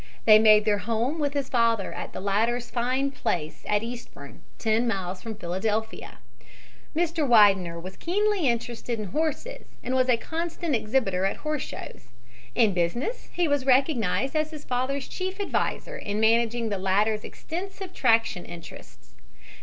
They made their home with his father at the latter's fine place at Eastbourne, ten miles from Philadelphia. Mr. Widener was keenly interested in horses and was a constant exhibitor at horse shows. In business he was recognized as his father's chief adviser in managing the latter's extensive traction interests.